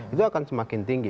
itu akan semakin tinggi